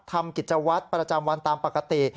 ทำกิจวัตรประจำวันตามปกติ